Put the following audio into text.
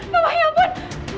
mama ya ampun